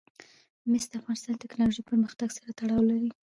مس د افغانستان د تکنالوژۍ پرمختګ سره تړاو لري.